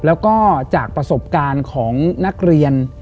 แล้วก็จากประสบการณ์ของนักเรียน